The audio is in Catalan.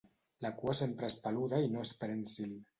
La cua sempre és peluda i no és prènsil.